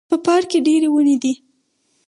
په پارک کې ډیري وني دي